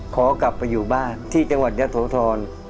ขอกลับไปอยู่บ้านที่จังหวัดยะโสธร